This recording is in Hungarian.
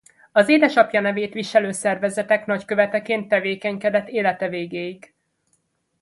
Az édesapja nevét viselő szervezetek nagyköveteként tevékenykedett élete végéig.